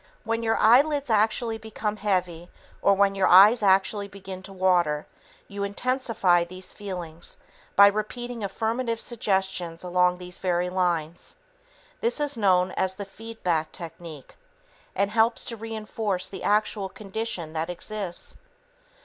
When your eyelids actually become heavy or when your eyes actually begin to water, you intensify these feelings by repeating affirmative suggestions along these very lines. This is known as "the feed back technique" and helps to reinforce the actual condition that exists.